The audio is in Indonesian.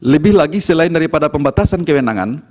lebih lagi selain daripada pembatasan kewenangan